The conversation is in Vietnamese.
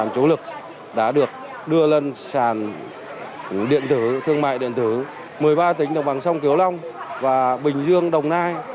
thương mại điện tử một mươi ba tỉnh đồng bằng sông kiều long và bình dương đồng nai